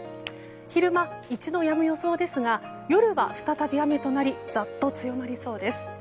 昼間、一度やむ予想ですが夜は再び雨となりざっと強まりそうです。